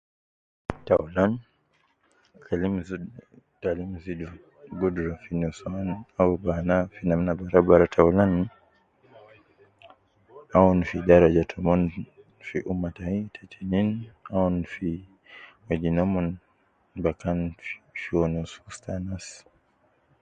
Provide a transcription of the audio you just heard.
Ta aulan kede muzi zidu gudura fi nuswan au fi banaa arufa daraja toumon